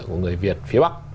của người việt phía bắc